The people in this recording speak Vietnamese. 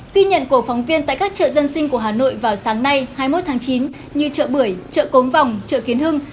ghi nhận của phóng viên tại các chợ dân sinh của hà nội vào sáng nay hai mươi một tháng chín như chợ bưởi chợ cốm vòng chợ kiến hưng